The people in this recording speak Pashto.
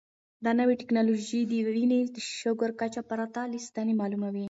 دا نوې ټیکنالوژي د وینې د شکر کچه پرته له ستنې معلوموي.